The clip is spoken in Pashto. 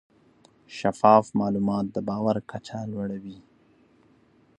شفاف معلومات د باور کچه لوړه وي.